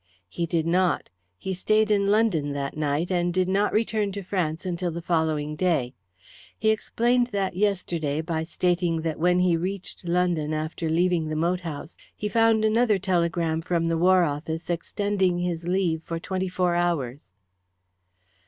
"He did not. He stayed in London that night, and did not return to France until the following day. He explained that yesterday by stating that when he reached London after leaving the moat house he found another telegram from the War Office extending his leave for twenty four hours."